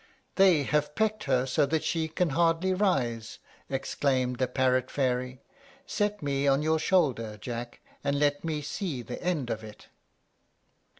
"They have pecked her so that she can hardly rise," exclaimed the parrot fairy. "Set me on your shoulder, Jack, and let me see the end of it."